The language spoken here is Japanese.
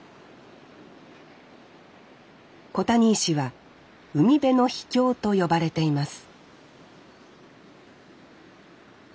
小谷石は「海辺の秘境」と呼ばれています